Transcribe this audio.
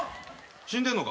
死んでんのか？